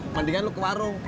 mendingan lo ke warung